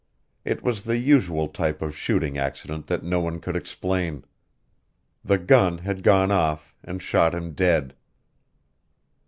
It was the usual type of shooting accident that no one could explain. The gun had gone off and shot him dead.